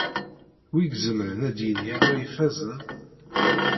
Wi izemren ad d-yini anwa ifazen?